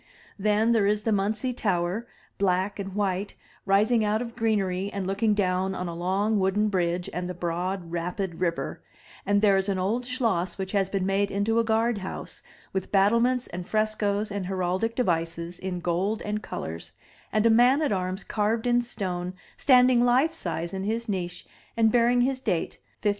Then there is the Muntze Tower, black and white, rising out of greenery and looking down on a long wooden bridge and the broad rapid river; and there is an old schloss which has been made into a guard house, with battlements and frescoes and heraldic devices in gold and colors, and a man at arms carved in stone standing life size in his niche and bearing his date 1530.